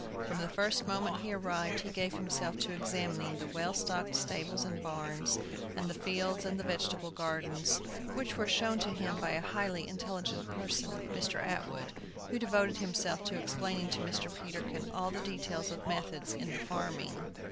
From the first moment he arrived he gave himself to examining the well stocked stables and barns, and the fields and vegetable gardens, which were shown to him by a highly intelligent person, a Mr. Atwood, who devoted himself to explaining to Mr. Peterkin all the details of methods in the farming.